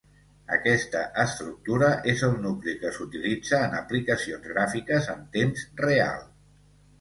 Aquesta estructura és el nucli que s'utilitza en aplicacions gràfiques en temps real.